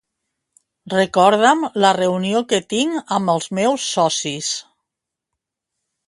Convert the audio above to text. Recorda'm la reunió que tinc amb els meus socis.